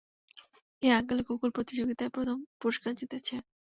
এই আংকেলের কুকুর প্রতিযোগিতায় প্রথম পুরস্কার জিতেছে।